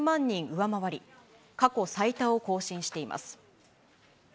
上回り、過去最多を更新しています。